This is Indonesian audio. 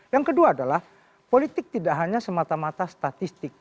yang kedua adalah politik tidak hanya semata mata statistik